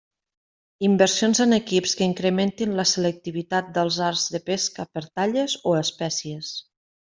Inversions en equips que incrementin la selectivitat dels arts de pesca per talles o espècies.